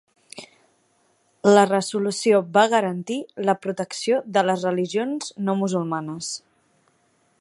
La resolució va garantir la protecció de les religions no musulmanes.